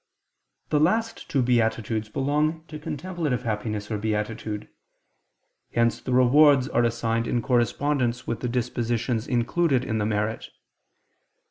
The last two beatitudes belong to contemplative happiness or beatitude: hence the rewards are assigned in correspondence with the dispositions included in the merit.